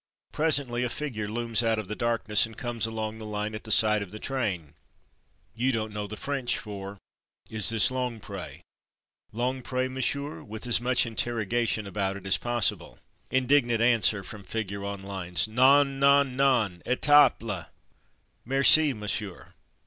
Presently a figure looms out of the darkness and comes along the line at the side of the train. You don't know the French for ''Is this Longpre?'' So you blurt out, ''Longpre, Monsieur.?'' with as much interrogation about it as possible. Indignant answer from figure on lines: ''Non! Non! Non! Etaples!" ''Merci, Monsieur."